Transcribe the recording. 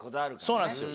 そうなんですよ。